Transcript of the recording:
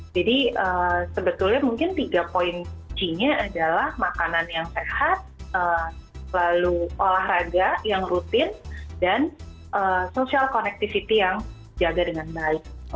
jadi sebetulnya mungkin tiga poin key nya adalah makanan yang sehat lalu olahraga yang rutin dan social connectivity yang jaga dengan baik